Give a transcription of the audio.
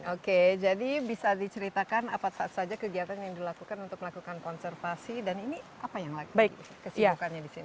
oke jadi bisa diceritakan apa saja kegiatan yang dilakukan untuk melakukan konservasi dan ini apa yang lagi kesibukannya di sini